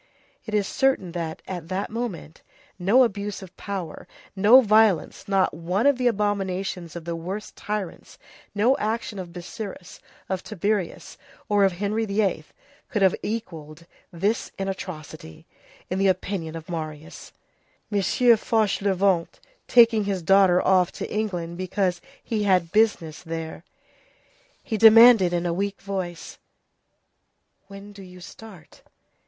It is certain, that, at that moment, no abuse of power, no violence, not one of the abominations of the worst tyrants, no action of Busiris, of Tiberius, or of Henry VIII., could have equalled this in atrocity, in the opinion of Marius; M. Fauchelevent taking his daughter off to England because he had business there. He demanded in a weak voice:— "And when do you start?"